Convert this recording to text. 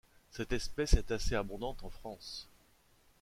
Cette espèce est assez abondante en France.